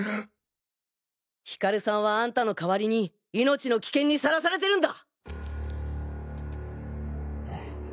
ヒカルさんはあんたの代わりに命の危険にさらされてるんだ！